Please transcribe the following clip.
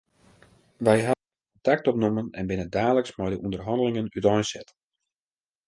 Wy hawwe kontakt opnommen en binne daliks mei de ûnderhannelingen úteinset.